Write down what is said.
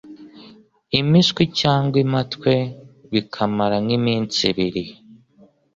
impiswi cyangwa impatwe bikamara nk'iminsi ibiri.